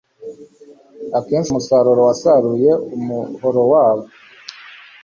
Akenshi umusaruro wasaruye umuhoro wabo,